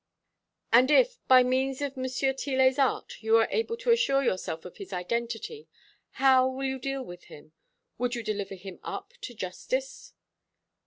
"And if, by means of M. Tillet's art, you are able to assure yourself of his identity, how will you deal with him? Would you deliver him up to justice?"